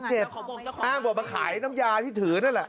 ของเจ็ดอ้างว่ามาขายน้ำยาที่ถือนั่นแหละ